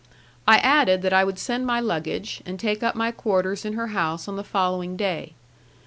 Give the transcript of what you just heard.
I added that I would send my luggage, and take up my quarters in her house on the following day.